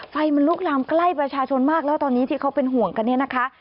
ไฟมันลุกลามใกล้ประชาชนมากแล้วตอนนี้ที่เขาเป็นห่วงกันเนี่ยนะคะ